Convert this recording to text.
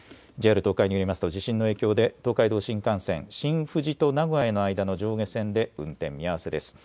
ＪＲ東海によりますと、地震の影響で東海道新幹線、新富士と名古屋の間の上下線で運転見合わせです。